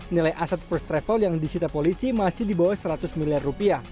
nilai aset first travel yang disita polisi masih di bawah seratus miliar rupiah